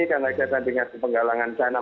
kaitan dengan penggalangan dana